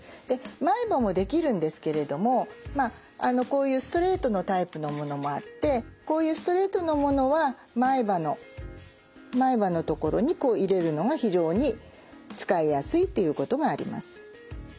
前歯もできるんですけれどもこういうストレートのタイプのものもあってこういうストレートのものは前歯のところに入れるのが非常に使いやすいっていうことがあります。